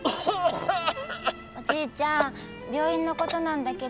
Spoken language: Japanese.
おじいちゃん病院のことなんだけど。